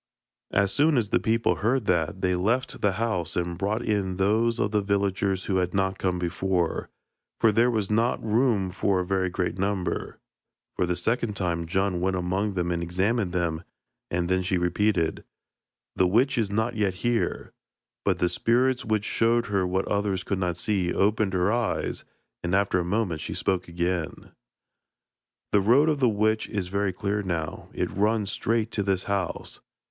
As soon as the people heard that, they left the house and brought in those of the villagers who had not come before, for there was not room for a very great number. For the second time Djun went among them and examined them, and then she repeated: 'The witch is not yet here.' But the spirits, which showed her what others could not see, opened her eyes, and after a moment she spoke again. 'The road of the witch is very clear now; it runs straight to this house.'